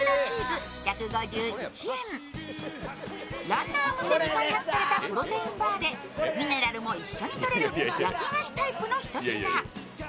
ランナー向けに開発されたプロテインバーでミネラルも一緒にとれる焼き菓子タイプのひと品。